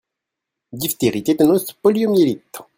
diphtérie, tétanos, poliomyélite.